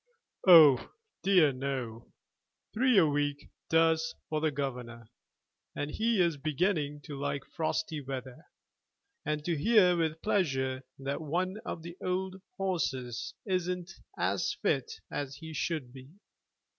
"Oh dear no; three a week does for the governor, and he is beginning to like frosty weather, and to hear with pleasure that one of the old horses isn't as fit as he should be.